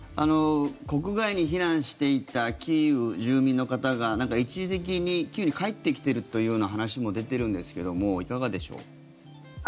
国外に避難していたキーウ住民の方が一時的にキーウに帰ってきているというような話も出てるんですけどもいかがでしょう。